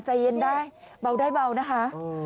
ใจเย็นได้เบาได้เบานะคะ